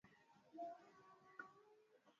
lezwa na wachambuzi wa mambo kuwa ni hatua muhimu